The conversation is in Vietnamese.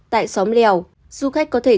tại xóm lèo du khách có thể